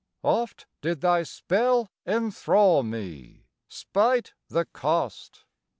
Oft did thy spell enthrall me, spite the cost!